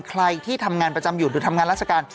ใครที่ทำงานประจำอยู่หรือทำงานราชการ